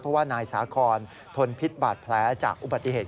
เพราะว่านายสาคอนทนพิษบาดแผลจากอุบัติเหตุ